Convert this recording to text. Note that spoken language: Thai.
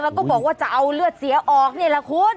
แล้วก็บอกว่าจะเอาเลือดเสียออกนี่แหละคุณ